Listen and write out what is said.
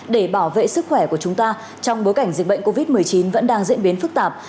để bảo vệ sức khỏe của chúng ta trong bối cảnh dịch bệnh covid một mươi chín vẫn đang diễn biến phức tạp